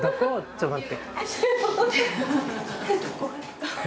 ちょっと待って。